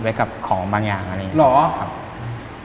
ไว้กับของบางอย่างอะไรอย่างนี้